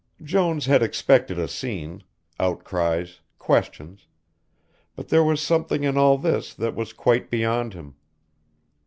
Jones had expected a scene, outcries, questions, but there was something in all this that was quite beyond him.